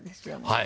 はい。